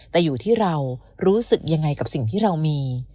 แต่อยู่ที่เรารู้สึกยังไงกับสิ่งที่เรามี